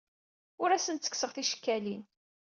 Ur asent-ttekkseɣ ticekkalin.